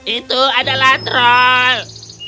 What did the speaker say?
itu adalah troll